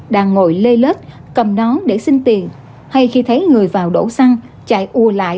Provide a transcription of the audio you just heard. đang ngồi lê lết cầm nón để xin tiền hay khi thấy người vào đổ xăng chạy ùa lại